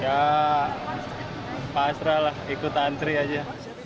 ya pasrah lah ikut antri aja